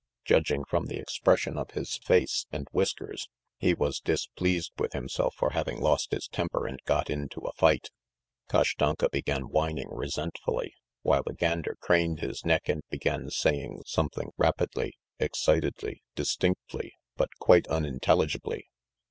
Judging from the expression of his face and whiskers, he was displeased with himself for having lost his temper and got into a fight. Kashtanka began whining resentfully, while the gander craned his neck and began saying something rapidly, excitedly, distinctly, but quite unintelligibly.